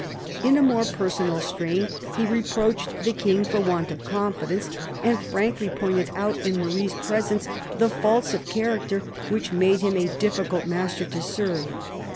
In a more personal strain he reproached the King for want of confidence, and frankly pointed out, in Marie's presence, the faults of character which made him a difficult master to serve.